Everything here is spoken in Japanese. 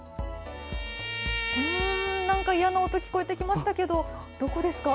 嫌な音、聞こえてきましたけどどこですか？